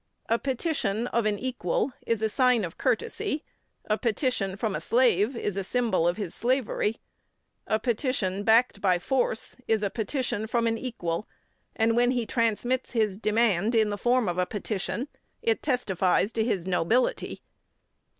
A petition of an equal is a sign of courtesy; a petition from a slave is a symbol of his slavery. A petition backed by force is a petition from an equal and, when he transmits his demand in the form of a petition, it testifies to his nobility.